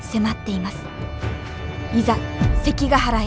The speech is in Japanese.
いざ関ヶ原へ。